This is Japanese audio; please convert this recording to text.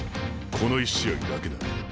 この１試合だけだ。